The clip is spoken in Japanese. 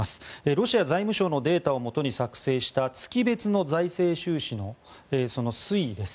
ロシア財務省のデータをもとに作成した月別の財政収支のその推移です。